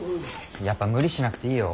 やっぱ無理しなくていいよ。